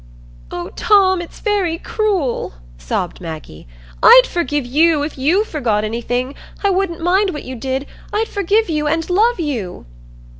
"Oh, Tom, it's very cruel," sobbed Maggie. "I'd forgive you, if you forgot anything—I wouldn't mind what you did—I'd forgive you and love you."